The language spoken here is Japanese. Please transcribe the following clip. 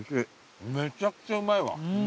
めちゃくちゃうまいわ。